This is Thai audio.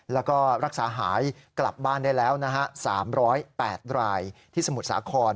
แล้วก็รักษาหายกลับบ้านได้แล้วนะฮะ๓๐๘รายที่สมุทรสาคร